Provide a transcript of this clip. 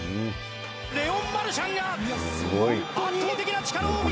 レオン・マルシャンが圧倒的な力を見せつける！